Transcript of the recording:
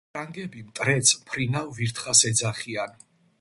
ფრანგები მტრედს "მფრინავ ვირთხას" ეძახიან.